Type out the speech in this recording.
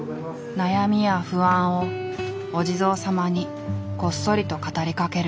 悩みや不安をお地蔵さまにこっそりと語りかける。